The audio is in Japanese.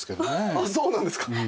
あっそうなんですか。